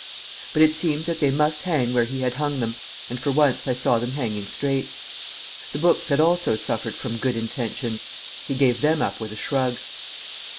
But it seemed that they must hang where he had hung them, and for once I saw them hanging straight. The books had also suffered from good intentions; he gave them up with a shrug.